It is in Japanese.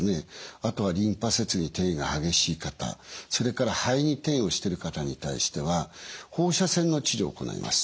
あとはリンパ節に転移が激しい方それから肺に転移をしている方に対しては放射線の治療を行います。